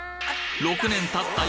６年たった